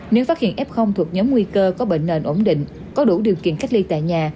nếu phát hiện f thuộc nhóm nguy cơ có bệnh nền ổn định có đủ điều kiện cách ly tại nhà